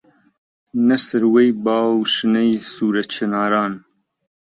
نە سروەی با و شنەی سوورە چناران